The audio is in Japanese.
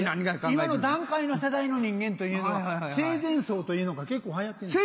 今の団塊の世代の人間というのは生前葬というのが結構流行ってんねん。